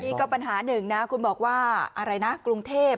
นี่ก็ปัญหาหนึ่งนะคุณบอกว่าอะไรนะกรุงเทพ